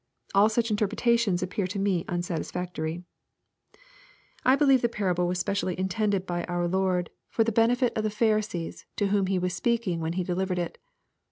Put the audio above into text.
— All such interpretations appear to me unsatisfactory. I believe the parable was specially intended by our Lord f«P LUKE, CHAP. XVI. 217 tihe benefit of the Pharisees, to whom He was speaking when He delivered it.